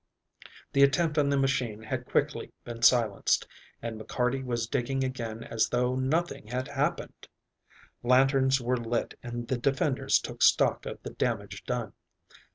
The attempt on the machine had quickly been silenced, and McCarty was digging again as though nothing had happened. Lanterns were lit and the defenders took stock of the damage done.